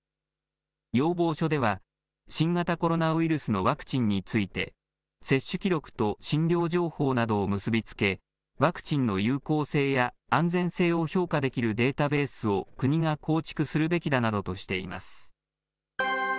要望書では、新型コロナウイルスのワクチンについて、接種記録と診療情報などを結び付け、ワクチンの有効性や安全性を評価できるデータベースを国が構築するべきだなどとしています。